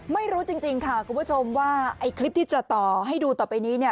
ไม่รู้จริงค่ะคุณผู้ชมว่าไอ้คลิปที่จะต่อให้ดูต่อไปนี้เนี่ย